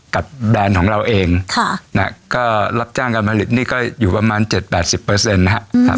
แบรนด์ของเราเองก็รับจ้างการผลิตนี่ก็อยู่ประมาณ๗๘๐นะครับ